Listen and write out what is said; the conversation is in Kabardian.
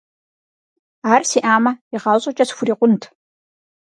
Ар сиӀамэ, игъащӀэкӀэ схурикъунт.